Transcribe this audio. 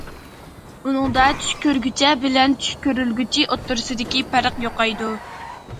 ئۇنىڭدا چۈش كۆرگۈچى بىلەن چۈش كۆرۈلگۈچى ئوتتۇرىسىدىكى پەرق يوقايدۇ.